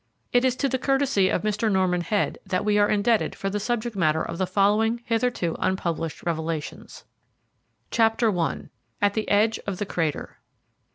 It is to the courtesy of Mr. Norman Head that we are indebted for the subject matter of the following hitherto unpublished revelations. Chapter I. AT THE EDGE OF THE CRATER.